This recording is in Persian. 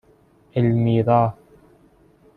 المیرا